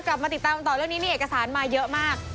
กลับมาติดตามต่อเรื่องนี้มีเอกสารมาเยอะมาก